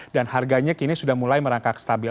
dan harganya kini sudah mulai merangkak stabil